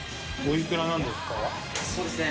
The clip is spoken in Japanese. そうですね。